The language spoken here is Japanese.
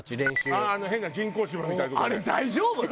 あの変な人工芝みたいな所で。